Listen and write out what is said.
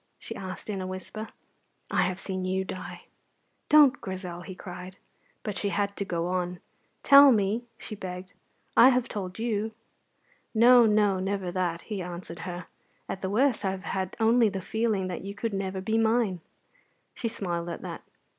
she asked, in a whisper. "I have seen you die." "Don't, Grizel!" he cried. But she had to go on. "Tell me," she begged; "I have told you." "No, no, never that," he answered her. "At the worst I have had only the feeling that you could never be mine." She smiled at that.